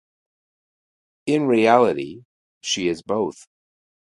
In reality: she is both.